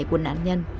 của nạn nhân